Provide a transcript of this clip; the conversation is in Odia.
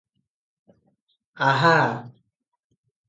ଆହା!